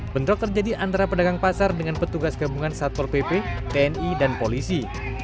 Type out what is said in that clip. bentrok terjadi antara pedagang pasar dengan petugas gabungan satpol pp tni dan polisi